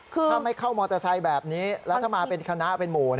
ถ้าไม่เข้ามอเตอร์ไซค์แบบนี้แล้วถ้ามาเป็นคณะเป็นหมู่